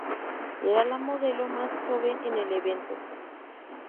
Era la modelo más joven en el evento.